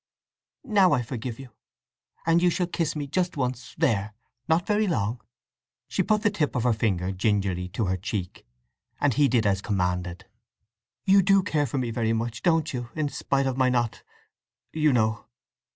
"Now I forgive you! And you shall kiss me just once there—not very long." She put the tip of her finger gingerly to her cheek; and he did as commanded. "You do care for me very much, don't you, in spite of my not—you know?"